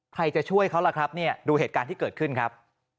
ใครจะช่วยเขาล่ะครับเนี่ยดูเหตุการณ์ที่เกิดขึ้นครับ